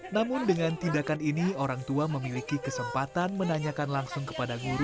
namun dengan tindakan ini orang tua memiliki kesempatan menanyakan langsung kepada guru